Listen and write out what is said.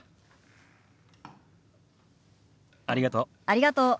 ありがとう。